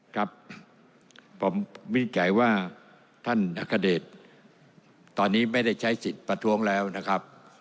ครับผมวินิจฉัยว่าท่านอัคเดชตอนนี้ไม่ได้ใช้สิทธิ์ประท้วงแล้วนะครับ